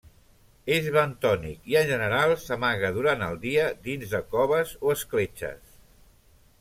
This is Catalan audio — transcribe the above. És bentònic i, en general, s'amaga durant el dia dins de coves o escletxes.